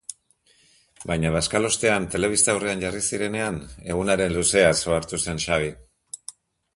Baina bazkalostean, telebista aurrean jarri zirenean, egunaren luzeaz ohartu zen Xabi.